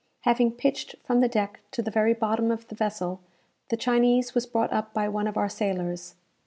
Having pitched from the deck to the very bottom of the vessel, the Chinese was brought up by one of our sailors.